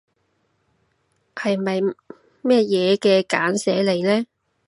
係咪咩嘢嘅簡寫嚟呢？